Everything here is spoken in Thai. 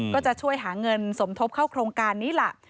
ก็จะช่วยหาเงินสมทบเข้าโครงการนี้ล่ะ